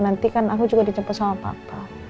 nanti kan aku juga dijemput sama papa